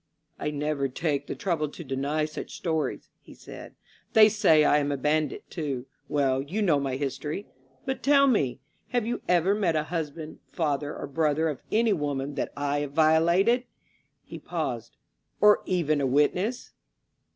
^^I never take the trouble to deny such stories," he said. ^^They say I am a bandit, too. Well, you know my history. But tell me ; have you ever met a husband, father or brother of any woman that I have violated?'* He paused: "Or even a witness?"